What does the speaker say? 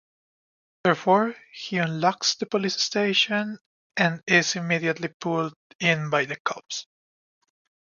Therefore, he unlocks the police station and is immediately pulled in by the cops.